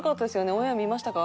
オンエア見ましたか？」